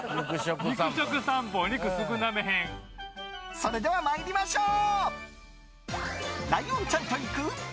それでは参りましょう！